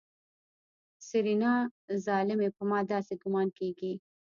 سېرېنا ظالمې په ما داسې ګومان کېږي.